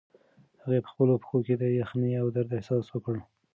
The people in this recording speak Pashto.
هغې په خپلو پښو کې د یخنۍ او درد احساس وکړ.